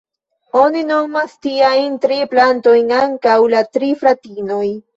Oni nomas tiajn tri plantojn ankaŭ ""la tri fratinoj"".